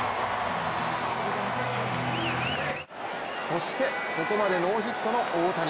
そして、ここまでノーヒットの大谷。